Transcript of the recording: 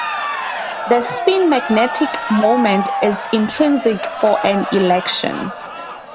The spin magnetic moment is intrinsic for an electron.